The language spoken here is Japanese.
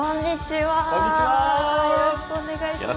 よろしくお願いします。